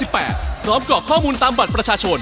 พร้อมกรอกข้อมูลตามบัตรประชาชน